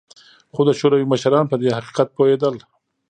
خو د شوروي مشران په دې حقیقت پوهېدل